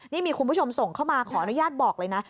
นี่มีคุณผู้ชมส่งเข้ามาขออนุญาตบอกเลยนะ